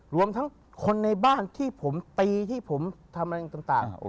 รวมทั้งคนในบ้านที่ผมตีที่ผมทำอะไรต่าง